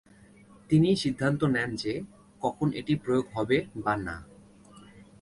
তিনিই সিদ্ধান্ত নেন যে, কখন এটি প্রয়োগ হবে বা না।